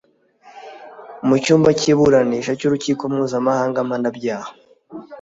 Mu cyumba cy’iburanisha cy’urukiko Mpuzamahanga mpanabyaha